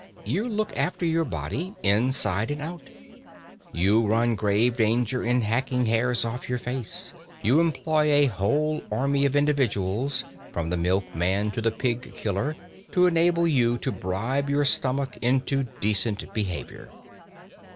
You look after your body, inside and out; you run grave danger in hacking hairs off your skin; you employ a whole army of individuals, from the milkman to the pig killer, to enable you to bribe your stomach into decent behaviour.